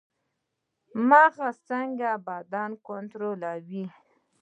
مغز څنګه بدن کنټرولوي؟